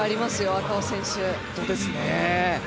赤穂選手は。